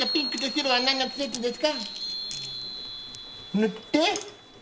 塗って。